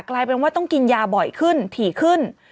กลายเป็นว่าต้องกินยาบ่อยขึ้นถี่ขึ้น